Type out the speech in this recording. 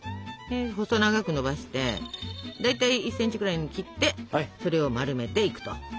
細長くのばしてだいたい１ｃｍぐらいに切ってそれを丸めていくと。